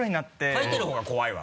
書いてるほうが怖いわ！